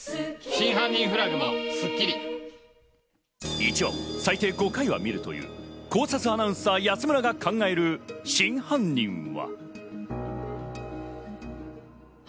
１話を最低５回は見るという考察アナウンサー・安村が考える真犯人は。